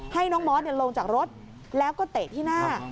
ให้น้องมอสลงจากรถแล้วก็เตะที่หน้า